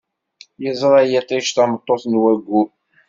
Yeẓra yiṭij tameṭṭut n waggur.